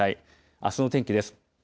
あすの天気です。